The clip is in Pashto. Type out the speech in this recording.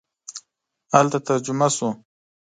هلته ترجمه شو.